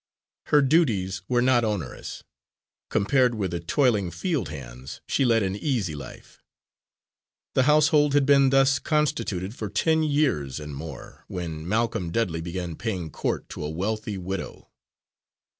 Her duties were not onerous; compared with the toiling field hands she led an easy life. The household had been thus constituted for ten years and more, when Malcolm Dudley began paying court to a wealthy widow.